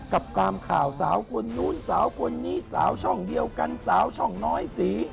กับตามข่าวสาวคนนู้นสาวคนนี้สาวช่องเดียวกันสาวช่องน้อยสี